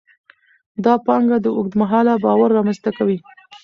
دا پانګه د اوږد مهاله باور رامینځته کوي.